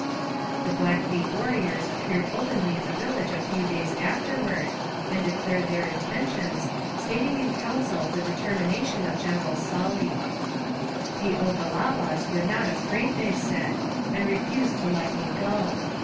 The Blackfeet warriors appeared openly in the vil lage a few days afterward, and declared their intentions, stating in council the determination of General Sully. The Ogalallas were not afraid, they said, and refused to let me go.